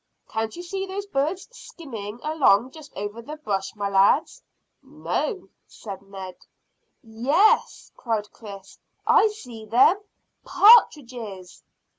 "Can't you see those birds skimming along just over the brush, my lads?" "No," said Ned. "Yes," cried Chris. "I see them partridges."